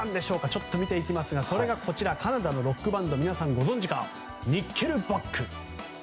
ちょっと見ていきますがこちら、カナダのロックバンド皆さんご存じかニッケルバック。